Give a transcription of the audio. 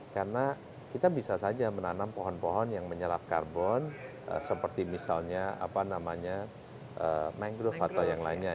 karena kita bisa saja menanam pohon pohon yang menyerap karbon seperti misalnya apa namanya mangrove atau yang lainnya